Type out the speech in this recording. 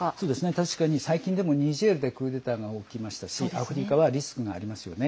確かに最近でもニジェールでクーデターが起きましたしアフリカはリスクがありますよね。